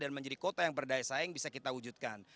dan menjadi kota yang berdaya saing bisa kita wujudkan